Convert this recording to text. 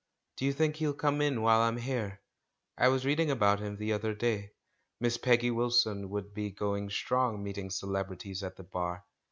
"Do you think he'll come in while I'm here? I was reading about him the other day — Miss Peggy Wilson would be going strong, meeting celebrities of the Bar.